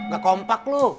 gak kompak lu